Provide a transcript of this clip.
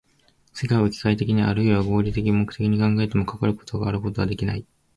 世界を機械的にあるいは合目的的に考えても、かかることがあることはできない。